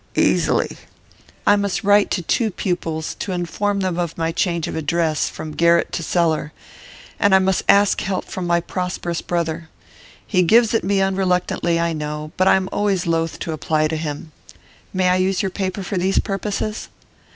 'Easily.' 'I must write to two pupils, to inform them of my change of address from garret to cellar. And I must ask help from my prosperous brother. He gives it me unreluctantly, I know, but I am always loth to apply to him. May I use your paper for these purposes?